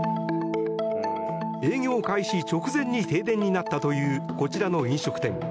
営業開始直前に停電になったというこちらの飲食店。